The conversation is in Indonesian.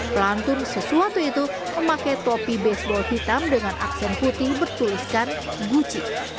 pelantun sesuatu itu memakai topi baseball hitam dengan aksen putih bertuliskan gucci